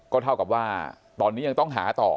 เท่ากับว่าตอนนี้ยังต้องหาต่อ